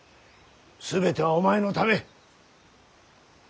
全てはお前のため。